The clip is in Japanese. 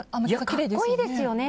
きれいですよね。